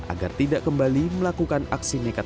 agar tidak kembali melakukan aksi nekat